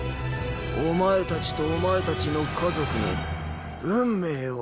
お前たちとお前たちの家族の運命を！